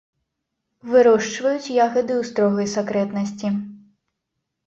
Вырошчваюць ягады ў строгай сакрэтнасці.